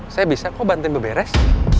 saya bisa kok bantuin beberes